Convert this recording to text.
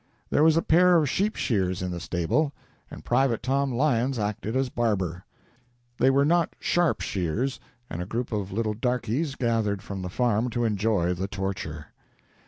There was a pair of sheep shears in the stable, and Private Tom Lyons acted as barber. They were not sharp shears, and a group of little darkies gathered from the farm to enjoy the torture.